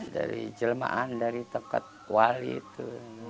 dari jelmaan dari tepkat kuali itu